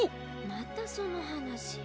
またそのはなし。